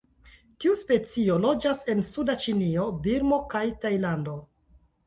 Tiu specio loĝas en suda Ĉinio, Birmo kaj Tajlando.